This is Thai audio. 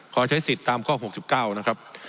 ขอใช้สิทธิ์ตามข้อ๖๙นะครับ